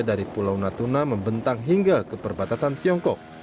dari pulau natuna membentang hingga ke perbatasan tiongkok